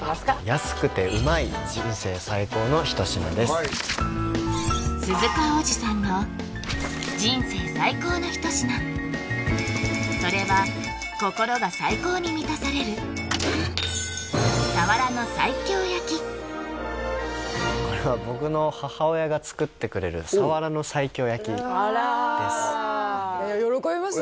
安くてうまい人生最高の一品です鈴鹿央士さんの人生最高の一品それは心が最高に満たされるこれは僕の母親が作ってくれるあら喜びますね